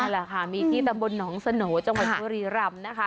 แหละค่ะมีที่ตำบลหนองสโหน่จังหวัดบุรีรำนะคะ